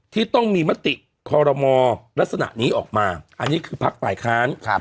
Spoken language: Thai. ที่ต้องมีมติคอรมอลักษณะนี้ออกมาอันนี้คือพักฝ่ายค้าน